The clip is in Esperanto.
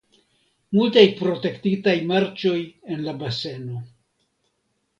Multaj protektitaj marĉoj en la baseno.